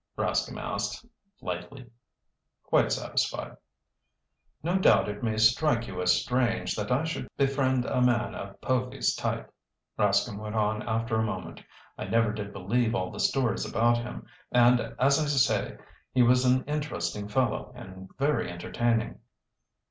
Rascomb asked lightly. "Quite satisfied." "No doubt it may strike you as strange that I should befriend a man of Povy's type," Rascomb went on after a moment. "I never did believe all the stories about him. And, as I say, he was an interesting fellow and very entertaining."